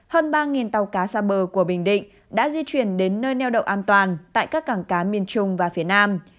hơn ba tàu cá xa bờ của bình định đã di chuyển đến nơi neo đậu an toàn tại các cảng cá miền trung và phía nam